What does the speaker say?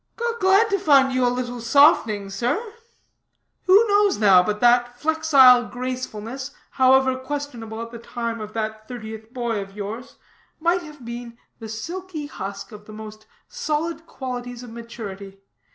"Glad to find you a little softening, sir. Who knows now, but that flexile gracefulness, however questionable at the time of that thirtieth boy of yours, might have been the silky husk of the most solid qualities of maturity.